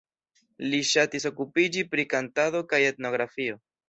Li ŝatis okupiĝi pri kantado kaj etnografio.